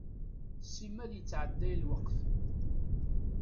Simmal yettɛedday lweqt.